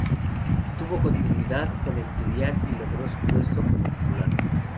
Tuvo continuidad con el filial y logró su puesto como titular.